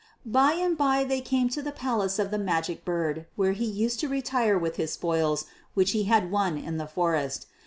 By and by they came to the palace of the Magic Bird, where he used to retire with his spoils which he had won in the forest.